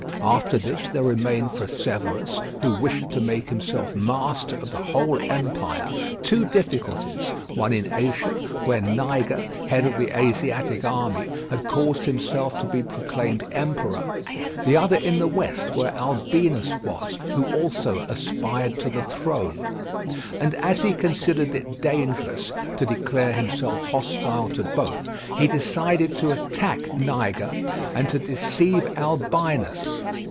After this there remained for Severus, who wished to make himself master of the whole empire, two difficulties; one in Asia, where Niger, head of the Asiatic army, had caused himself to be proclaimed emperor; the other in the west where Albinus was, who also aspired to the throne. And as he considered it dangerous to declare himself hostile to both, he decided to attack Niger and to deceive Albinus.